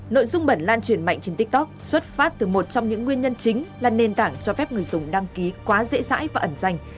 nội dung bẩn lan truyền mạnh trên tiktok xuất phát từ một trong những nguyên nhân chính là nền tảng cho phép người dùng đăng ký quá dễ dãi và ẩn danh